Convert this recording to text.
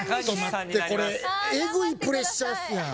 これえぐいプレッシャーっすやん。